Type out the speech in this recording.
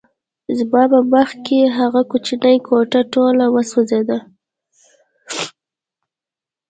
زما په مخکې هغه کوچنۍ کوټه ټوله وسوځېده